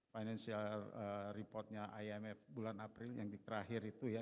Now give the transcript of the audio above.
financial reportnya imf bulan april yang terakhir itu ya